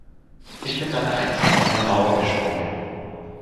Ich bin dann einfach von der Mauer gesprungen.